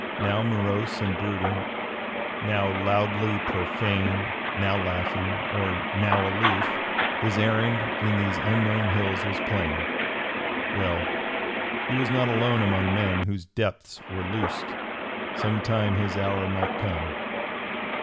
Now morose and brooding, now loudly profane, now laughing or now aloof, his errand in these unknown hills was plain. Well, he was not alone among men whose depths were loosed. Some time his hour might come.